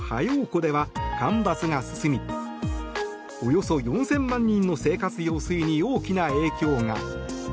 湖では干ばつが進みおよそ４０００万人の生活用水に大きな影響が。